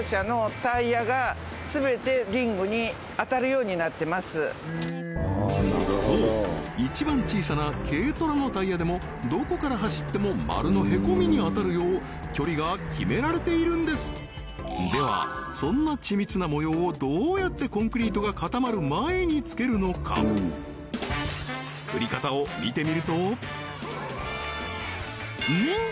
どうしてなのかというとそう一番小さな軽トラのタイヤでもどこから走ってもマルの凹みに当たるよう距離が決められているんですではそんな緻密な模様をどうやってコンクリートが固まる前につけるのか作り方を見てみるとうん？